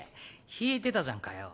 ひいてたじゃんかよ。